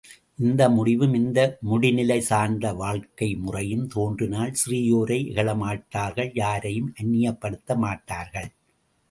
இந்த முடிவும் இந்த முடிநிலை சார்ந்த வாழ்க்கை முறையும் தோன்றினால் சிறியோரை இகழமாட்டார்கள் யாரையும் அந்நியப்படுத்தமாட்டார்கள்.